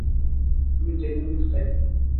তুমি যেকোনো কিছু চাইতে পারো।